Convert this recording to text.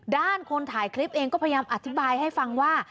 ด้านคนถ่ายคลิปเองก็พยายามอธิบายให้ฟังว่า